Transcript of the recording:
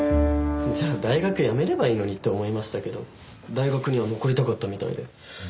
じゃあ大学やめればいいのにって思いましたけど大学には残りたかったみたいで。